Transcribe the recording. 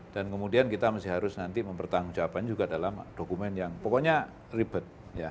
dan kemudian kita masih harus nanti mempertanggung jawabannya juga dalam dokumen yang pokoknya ribet